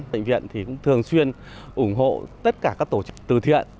bệnh viện thì cũng thường xuyên ủng hộ tất cả các tổ chức từ thiện